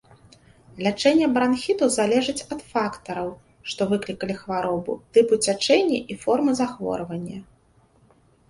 Лячэнне бранхіту залежыць ад фактараў, што выклікалі хваробу, тыпу цячэння і формы захворвання.